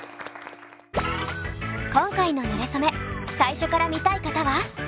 今回の「なれそめ」最初から見たい方は。